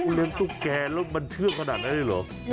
เลี้ยงตุ๊กแกแล้วมันเชื่องขนาดนั้นเลยเหรอ